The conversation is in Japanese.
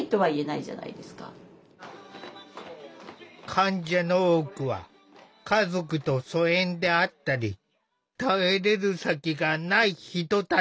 患者の多くは家族と疎遠であったり頼れる先がない人たちだ。